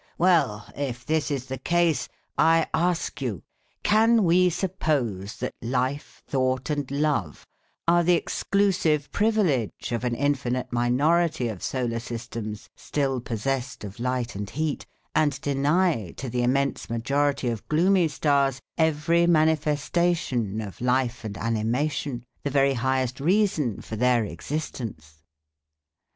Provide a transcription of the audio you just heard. Well, if this is the case, I ask you: Can we suppose that life, thought, and love, are the exclusive privilege of an infinite minority of solar systems still possessed of light and heat, and deny to the immense majority of gloomy stars every manifestation of life and animation, the very highest reason for their existence?